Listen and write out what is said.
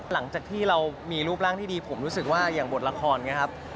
หลังจากที่เรามีรูปร่างที่ดีผมรู้สึกว่าอย่างบทละครอย่างนี้ครับ